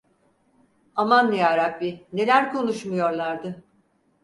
Aman yarabbi, neler konuşmuyorlardı!